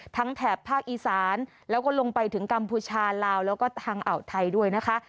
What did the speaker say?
แถบภาคอีสานแล้วก็ลงไปถึงกัมพูชาลาวแล้วก็ทางอ่าวไทยด้วยนะคะ